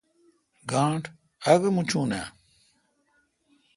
گانٹھ آگہ موچوناں؟